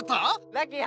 ラッキー！